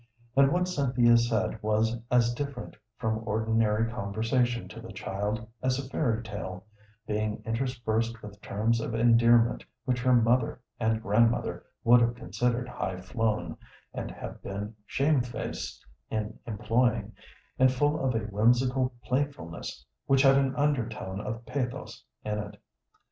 And what Cynthia said was as different from ordinary conversation to the child as a fairy tale, being interspersed with terms of endearment which her mother and grandmother would have considered high flown, and have been shamefaced in employing, and full of a whimsical playfulness which had an undertone of pathos in it.